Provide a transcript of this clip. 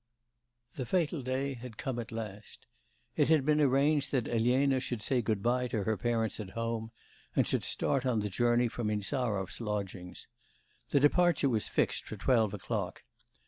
The fatal day had come at last. It had been arranged that Elena should say good bye to her parents at home, and should start on the journey from Insarov's lodgings. The departure was fixed for twelve o'clock.